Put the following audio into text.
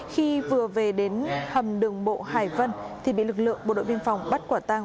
khi vừa về đến hầm đường bộ hải vân thì bị lực lượng bộ đội biên phòng bắt quả tang